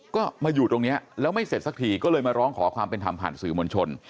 ก็มาอยู่ตรงนี้แล้วไม่เสร็จสักทีก็เลยมาร้องขอความเป็นธรรมผ่านสื่อมวลชน